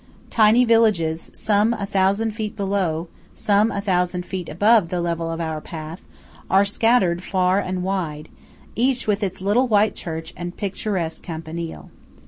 Tiny villages, some a thousand feet below, some a thousand feet above the level of our path, are scattered far and wide, each with its little white church and picturesque campanile.